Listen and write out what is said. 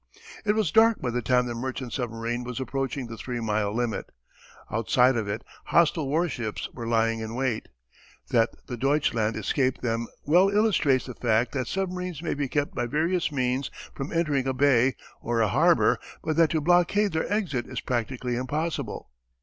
It was dark by the time the merchant submarine was approaching the three mile limit. Outside of it hostile warships were lying in wait. That the Deutschland escaped them well illustrates the fact that submarines may be kept by various means from entering a bay or a harbour, but that to blockade their exit is practically impossible.